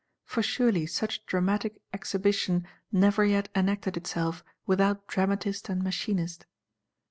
For surely such dramatic exhibition never yet enacted itself without Dramatist and Machinist.